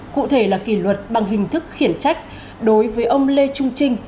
cụ thể là kỷ luật bằng hình thức khiển trách đối với ông lê trung trinh